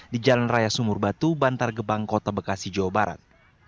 di jalan raya sumur batu bantar gebang kota bekasi jawa barat